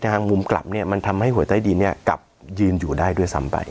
ทางมุมกลับเนี่ยมันทำให้หัวใต้ดินกลับยืนอยู่ได้ด้วยซ้ำไป